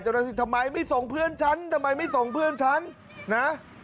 เจ้าหน้าที่ทำไมไม่ส่งเพื่อนฉันทำไมไม่ส่งเพื่อนฉันนะ